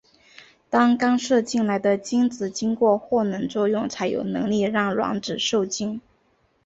当刚射进来的精子经过获能作用才有能力让卵子授精。